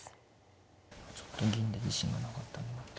ちょっと銀で自信がなかったと。